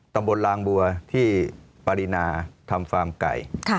ตำบลลางบัวที่ปรินาทำฟาร์มไก่